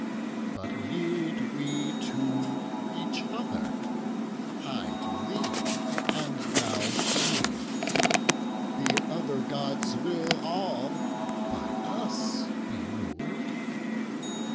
But yield we each to other, I to thee, And thou to me; the other Gods will all By us be rul'd.